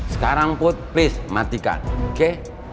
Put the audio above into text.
sekarang put please matikan oke